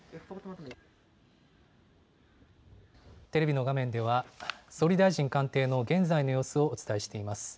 テレビの画面では、総理大臣官邸の現在の様子をお伝えしています。